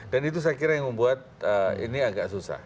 dan itu saya kira yang membuat ini agak susah